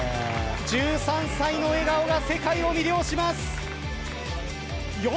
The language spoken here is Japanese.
１３歳の笑顔が世界を魅了します。